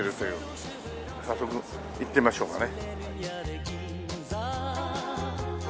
早速行ってみましょうかね。